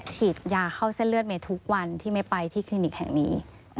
ฉีดยาเข้าเส้นเลือดเมย์ทุกวันที่ไม่ไปที่คลินิกแห่งนี้